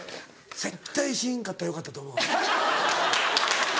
絶対しんかったらよかったと思う。